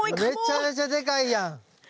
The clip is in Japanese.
めちゃめちゃでかいやん。